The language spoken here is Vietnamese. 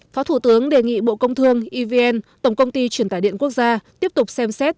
phó thủ tướng đề nghị bộ công thương evn tổng công ty truyền tải điện quốc gia tiếp tục xem xét